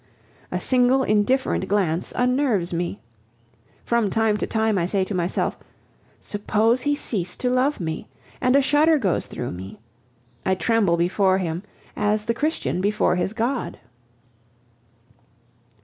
A single indifferent glance unnerves me. From time to time I say to myself, "Suppose he ceased to love me!" And a shudder goes through me. I tremble before him, as the Christian before his God.